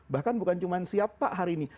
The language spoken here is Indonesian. bahkan bukan cuma siap pak hari ini